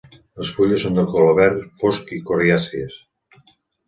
Les fulles són de color verd fosc i coriàcies.